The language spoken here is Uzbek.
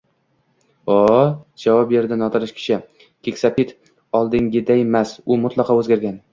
O-o-o, – javob berdi notanish kishi, – Keksa Pit oldingidaymas, u mutlaqo oʻzgargan.